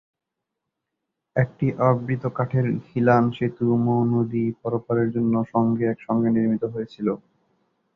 একটি আবৃত কাঠের খিলান সেতু মো নদী পারাপারের জন্য সঙ্গে একসঙ্গে নির্মিত হয়েছিল।